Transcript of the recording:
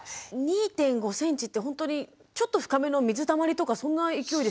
２．５ｃｍってほんとにちょっと深めの水たまりとかそんな勢いですよね。